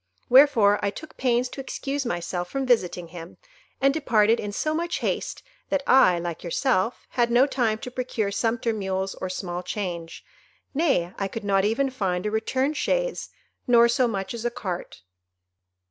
Wherefore I took pains to excuse myself from visiting him, and departed in so much haste, that I, like yourself, had no time to procure sumpter mules or small change,—nay, I could not even find a return chaise, nor so much as a cart."